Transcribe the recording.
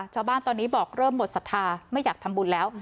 ชาวบ้านตอนนี้บอกเริ่มหมดศรัทธาไม่อยากทำบุญแล้ว